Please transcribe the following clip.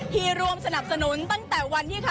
ที่ร่วมสนับสนุนตั้งแต่วันที่ค่ะ